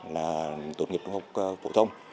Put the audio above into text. là tốt nghiệp cũng không học phổ thông